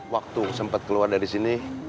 waktu sempat keluar dari sini